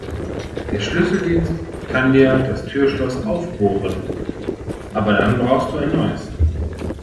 Der Schlüsseldienst kann dir das Türschloss aufbohren, aber dann brauchst du ein neues.